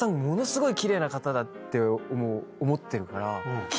ものすごい奇麗な方だって思ってるから。